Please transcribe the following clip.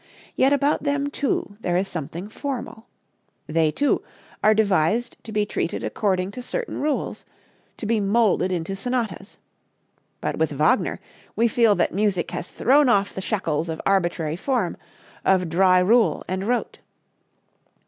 Yet about them, too, there is something formal. They, too, are devised to be treated according to certain rules to be molded into sonatas. But with Wagner we feel that music has thrown off the shackles of arbitrary form, of dry rule and rote.